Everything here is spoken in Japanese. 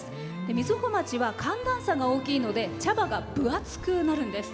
瑞穂町は寒暖差が大きいので茶葉が分厚くなるんです。